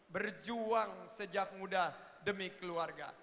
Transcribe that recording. berjuang sejak muda demi keluarga